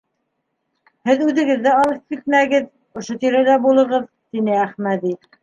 Һеҙ үҙегеҙ ҙә алыҫ китмәгеҙ, ошо тирәлә булығыҙ, — тине Әхмәҙи.